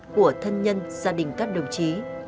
của thân nhân gia đình các đồng chí